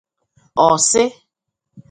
Ọ sị